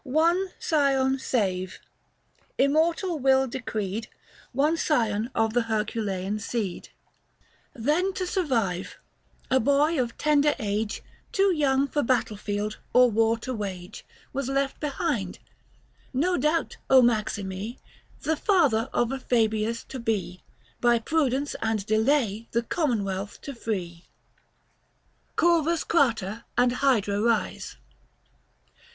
One scion save. Immortal will decreed One scion of the Herculeian seed Book II. THE FASTI. 41 Then to survive : a boy of tender age Too young for battle field, or war to wage, Was left behind : no doubt, Maxinie, The father of a Fabius to be By prudence and delay the commonwealth to free. 245 XVI. KAL. MAET. CORVUS CRATER AND HYDRA RISE.